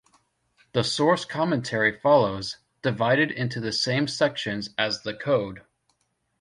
The source commentary follows, divided into the same sections as the code.